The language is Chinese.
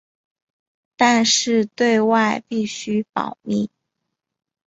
但是对外必须保密。